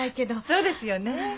そうですよね。